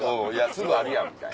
すぐあるやん！みたいな。